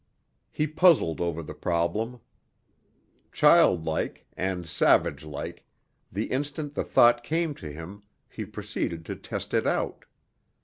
He puzzled over the problem. Childlike and savage like the instant the thought came to him, he proceeded to test it out.